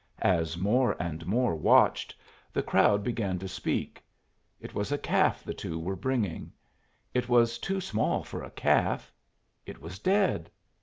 As more and more watched, the crowd began to speak. It was a calf the two were bringing. It was too small for a calf. It was dead.